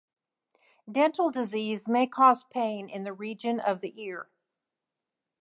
Dental disease may cause pain in the region of the ear.